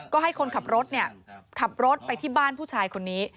ก็ให้คนขับรถขับรถไปที่บ้านผู้ชายคนนี้